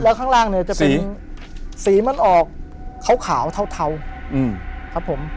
แล้วข้างล่างเนี้ยจะเป็นสีสีมันออกขาวขาวเท่าเท่าอืมครับผม